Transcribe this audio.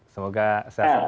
semoga saya sempat